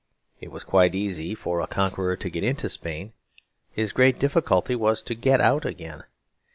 It was quite easy for a conqueror to get into Spain; his great difficulty was to get out again.